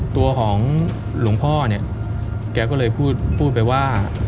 ตัวของหลวงพ่อเนี่ยแกก็เลยพูดไปว่า